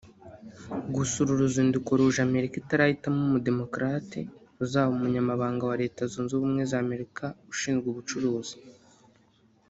Gusa uru ruzinduko ruje Amerika itarahitamo umu-Democrates uzaba umunyamabanga wa Leta Zunze Ubumwe za Amerika ushinzwe ubucuruzi